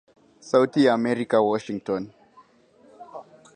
sauti ya Amerika Washington